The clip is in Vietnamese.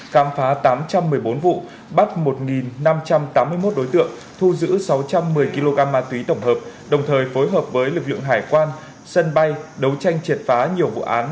khám phá tám trăm một mươi bốn vụ bắt một năm trăm tám mươi một đối tượng thu giữ sáu trăm một mươi kg ma túy tổng hợp đồng thời phối hợp với lực lượng hải quan sân bay đấu tranh triệt phá nhiều vụ án